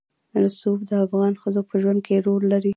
رسوب د افغان ښځو په ژوند کې رول لري.